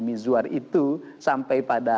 mizwar itu sampai pada